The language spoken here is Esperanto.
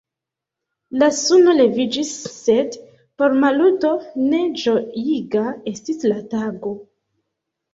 La suno leviĝis, sed por Maluto ne ĝojiga estis la tago.